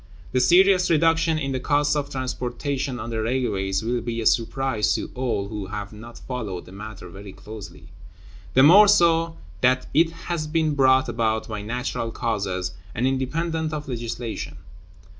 The serious reduction in the cost of transportation on the railways will be a surprise to all who have not followed the matter very closely; the more so, that it has been brought about by natural causes, and independent of legislation.